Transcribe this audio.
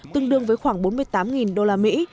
tương đương với khoảng bốn mươi tám đô la mỹ